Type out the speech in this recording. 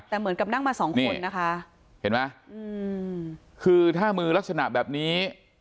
แต่เหมือนกับนั่งมาสองคนนะคะเห็นไหมอืมคือถ้ามือลักษณะแบบนี้